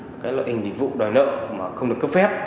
các loại hình dịch vụ đòi nợ mà không được cấp phép